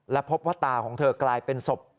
และพบว่าตาของเธอกลายเป็นศพ